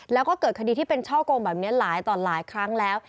แล้วก็เกิดคดีที่เป็นช่อกงแบบนี้หลายต่อหลายครั้งแล้ว